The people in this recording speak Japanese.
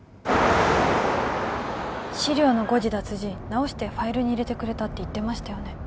直してファイルに入れてくれたって言ってましたよね？